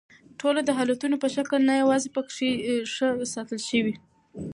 ټوله د حالتونو په شکل نه یواځي پکښې ښه ساتل شوي دي